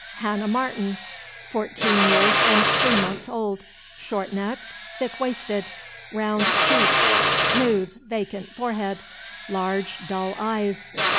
Hannah Martin. Fourteen years and three months old. Short necked, thick waisted, round cheeked, smooth, vacant forehead, large, dull eyes.